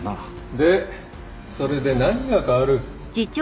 でそれで何が変わる？